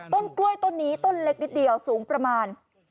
ต้นกล้วยต้นนี้ต้นเล็กนิดเดียวสูงประมาณ